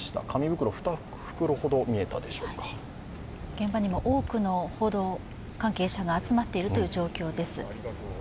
現場に今、多くの報道関係者が集まっているという状況です。